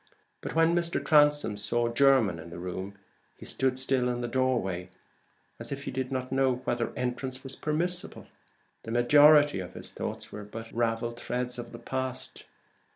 But when Mr. Transome saw Jermyn in the room he stood still in the doorway, as if he did not know whether entrance was permissible. The majority of his thoughts were but ravelled threads of the past.